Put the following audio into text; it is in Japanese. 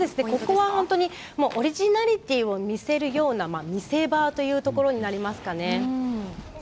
ここは本当にオリジナリティーを見せるような見せ場というところになりますかね。